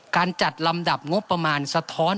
การจัดลำดับงบประมาณสะท้อน